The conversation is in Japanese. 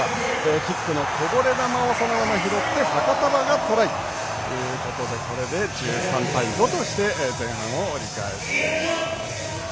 キックのこぼれ球をそのまま拾ってファカタヴァがトライで１３対５として前半を折り返します。